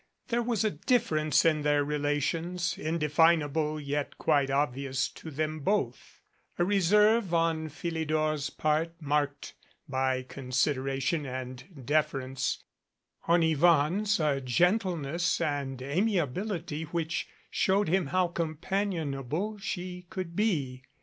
There was a difference in their relations, indefinable yet quite ob vious to them both, a reserve on Philidor's part, marked by consideration and deference ; on Yvonne's a gentleness and amiability which showed him how companionable she could be.